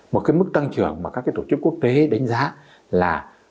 một cái mức tăng trưởng mà các cái tổ chức quốc tế đánh giá là